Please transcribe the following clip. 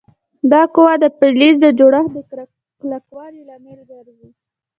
دا قوه د فلز د جوړښت د کلکوالي لامل ګرځي.